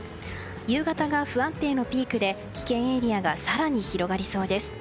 夕方が不安定のピークで危険エリアが更に広がりそうです。